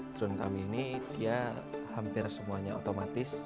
drone kami ini dia hampir semuanya otomatis